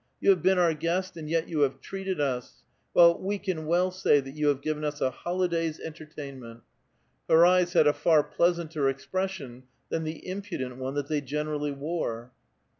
You have been our guest and yet you have treated us ! Well, we can well say that you have given us a holiday's entertainment !" Her eyes had a far pleasanter expression than the impudent one that they generally wore.